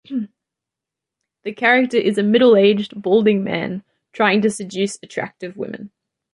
The character is a middle-aged, balding man trying to seduce attractive women.